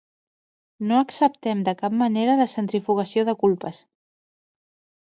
No acceptem de cap manera la centrifugació de culpes.